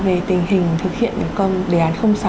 về tình hình thực hiện công đề án sáu